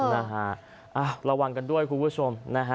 นะฮะระวังกันด้วยคุณผู้ชมนะฮะ